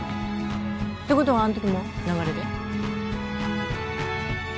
うん。ってことはあんときも流れで？